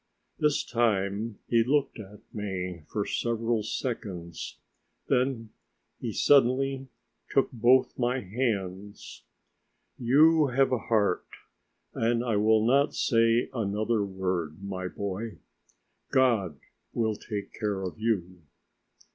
This time he looked at me for several seconds, then he suddenly took both my hands. "You have a heart, and I will not say another word, my boy. God will take care of you."